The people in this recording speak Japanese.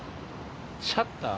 シャッター？